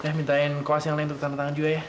ya mintain kelas yang lain untuk tanda tangan juga ya